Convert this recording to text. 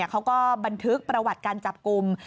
เขาก็บันทึกประวัติการจับกลุ่ม